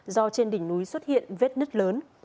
do trên đỉnh núi xuất hiện vết nứt lớn